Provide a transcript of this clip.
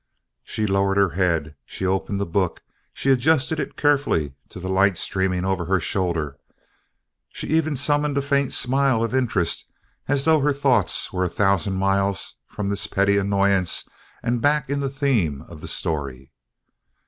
She lowered her head; she opened the book; she adjusted it carefully to the light streaming over her shoulder; she even summoned a faint smile of interest as though her thoughts were a thousand miles from this petty annoyance and back in the theme of the story.